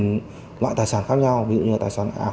các loại tài sản khác nhau ví dụ như là tài sản ảo